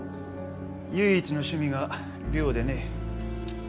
唯一の趣味が猟でね。